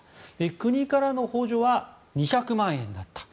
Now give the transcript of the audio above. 国からの補助は２００万円あったと。